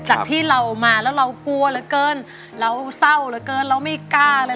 จากที่เรามาแล้วเรากลัวเหลือเกินเราเศร้าเหลือเกินเราไม่กล้าเลย